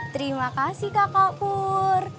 terima kasih kakak pur